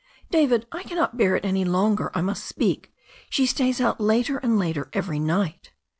"David, I cannot bear it any longer. I must speak. She stays out later and later every night."